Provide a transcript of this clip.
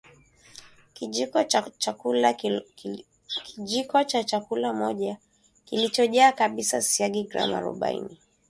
Kijiko cha chakula moja kilichojaa kabisa siagi gram arobaini